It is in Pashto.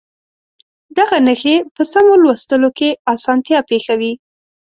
دغه نښې په سمو لوستلو کې اسانتیا پېښوي.